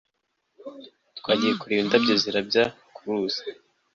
twagiye kureba indabyo zirabya kuruzi